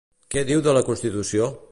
Què diu de la Constitució?